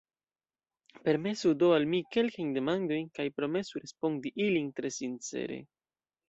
Permesu do al mi kelkajn demandojn kaj promesu respondi ilin tre sincere.